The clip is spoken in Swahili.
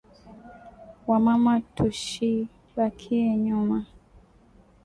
Wa mama tushibakiye nyuma